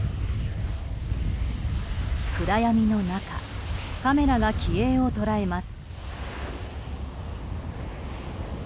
暗闇の中カメラが機影を捉えます。